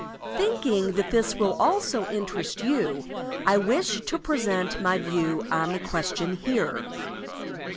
Thinking that this will also interest you, I wish to present my view on the question here.